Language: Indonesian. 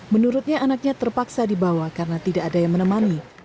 menurutnya anaknya terpaksa dibawa karena tidak ada yang menemani